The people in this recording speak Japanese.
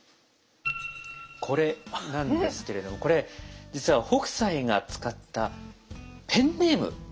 これなんですけれどもこれ実は北斎が使ったペンネーム全部。